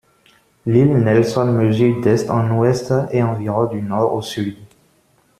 L'île Nelson mesure d'est en ouest, et environ du nord au sud.